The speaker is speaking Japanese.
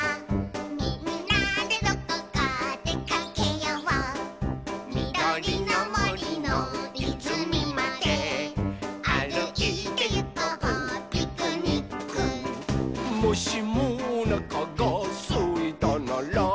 「みんなでどこかでかけよう」「みどりのもりのいずみまであるいてゆこうピクニック」「もしもおなかがすいたなら」